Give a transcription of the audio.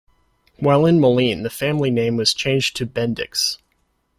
While in Moline the family name was changed to "Bendix".